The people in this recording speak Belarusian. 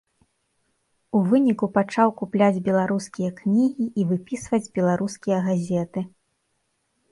У выніку пачаў купляць беларускія кнігі і выпісваць беларускія газеты.